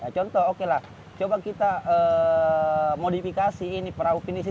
contoh oke lah coba kita modifikasi ini perahu penisi